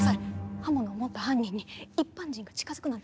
刃物を持った犯人に一般人が近づくなんて危なすぎます！